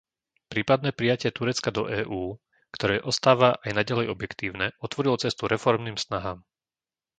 Prípadné prijatie Turecka do EÚ, ktoré ostáva aj naďalej objektívne, otvorilo cestu reformným snahám.